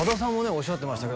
おっしゃってました